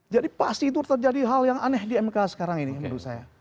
jadi pasti itu terjadi hal yang aneh di mk sekarang ini menurut saya